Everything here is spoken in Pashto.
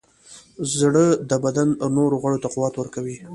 زړه د بدن نورو غړو ته قوت ورکوي.